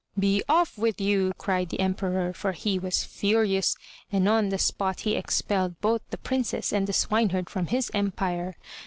"Be off with you!" cried the Emperor, for he was furious, and on the spot he expelled both the Princess and the swineherd from his empire.